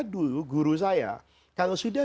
jadi guru saya